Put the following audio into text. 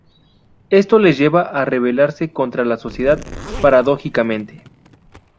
Esto les lleva a rebelarse contra la sociedad, paradójicamente.